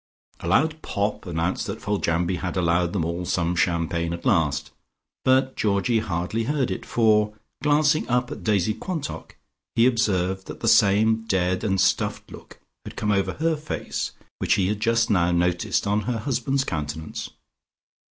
A loud pop announced that Foljambe had allowed them all some champagne at last, but Georgie hardly heard it, for glancing up at Daisy Quantock, he observed that the same dead and stuffed look had come over her face which he had just now noticed on her husband's countenance.